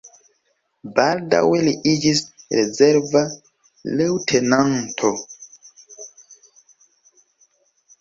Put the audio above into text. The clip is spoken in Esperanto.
Baldaŭe li iĝis rezerva leŭtenanto.